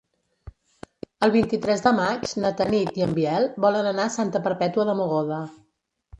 El vint-i-tres de maig na Tanit i en Biel volen anar a Santa Perpètua de Mogoda.